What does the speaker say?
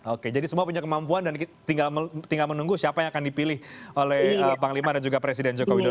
oke jadi semua punya kemampuan dan tinggal menunggu siapa yang akan dipilih oleh panglima dan juga presiden joko widodo